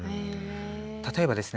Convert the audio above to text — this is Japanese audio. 例えばですね